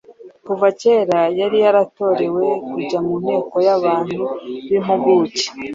Kuva cyera yari yaratorewe kujya mu nteko y’abantu b’impuguke